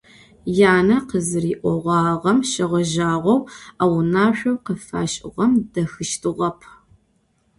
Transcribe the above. Янэ къызыриӏогъагъэм щегъэжьагъэу а унашъоу къыфашӏыгъэм дэхыщтыгъэп.